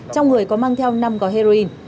trong người có mang theo năm gói heroin